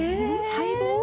細胞？